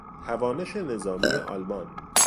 توانش نظامی آلمان